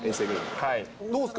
どうですか？